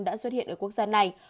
đã xuất hiện ở quốc gia này